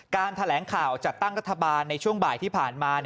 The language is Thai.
แถลงข่าวจัดตั้งรัฐบาลในช่วงบ่ายที่ผ่านมา